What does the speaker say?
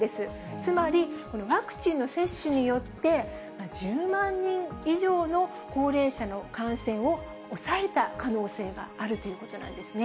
つまり、ワクチンの接種によって、１０万人以上の高齢者の感染を抑えた可能性があるということなんですね。